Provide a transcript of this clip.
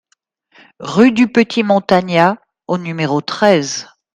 Rue du Petit-Montagna au numéro treize